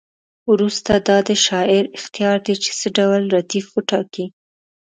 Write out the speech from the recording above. وروسته دا د شاعر اختیار دی چې څه ډول ردیف وټاکي.